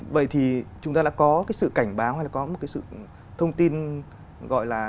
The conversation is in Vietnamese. vậy thì chúng ta đã có cái sự cảnh báo hay là có một cái sự thông tin gọi là